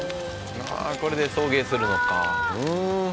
これで送迎するのかぁ。